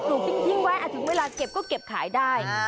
ลูกทิ้งไว้ถึงเวลาเก็บก็เก็บขายได้